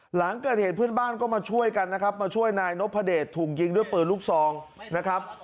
หลังเกิดเหตุเพื่อนบ้านก็มาช่วยกันนะครับมาช่วยนายนพเดชถูกยิงด้วยปืนลูกซองนะครับ